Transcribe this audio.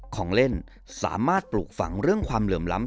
ของเล่นสามารถปลูกฝังเรื่องความเหลื่อมล้ำ